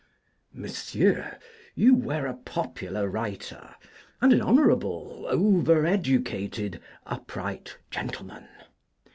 Monsieur, You were a popular writer, and an honourable, over educated, upright gentleman.